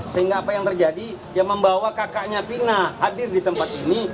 sehingga apa yang terjadi ya membawa kakaknya vina hadir di tempat ini